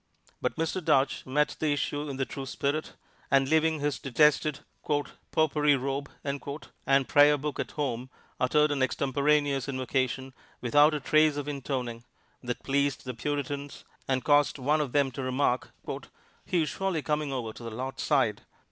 But Mr. Duche met the issue in the true spirit, and leaving his detested "popery robe" and prayer book at home uttered an extemporaneous invocation, without a trace of intoning, that pleased the Puritans and caused one of them to remark, "He is surely coming over to the Lord's side!"